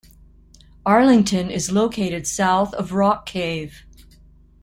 Arlington is located south of Rock Cave.